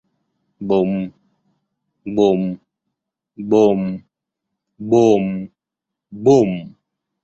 Бум, бум, бум, бум, бум.